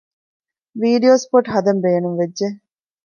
ވީޑިއޯ ސްޕޮޓް ހަދަން ބޭނުންވެއްޖެ